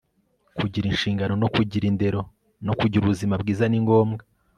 kugira inshingano no kugira indero no kugira ubuzima bwiza ni ngombwa